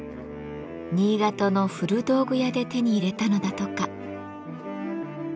新潟の古道具屋で手に入れたのだとか。